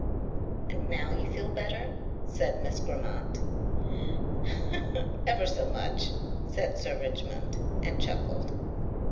"And now you feel better?" said Miss Grammont. "Ever so much," said Sir Richmond and chuckled.